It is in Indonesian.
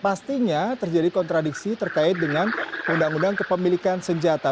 pastinya terjadi kontradiksi terkait dengan undang undang kepemilikan senjata